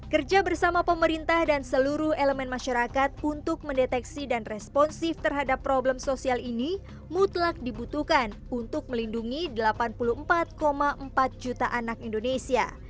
kerja bersama pemerintah dan seluruh elemen masyarakat untuk mendeteksi dan responsif terhadap problem sosial ini mutlak dibutuhkan untuk melindungi delapan puluh empat empat juta anak indonesia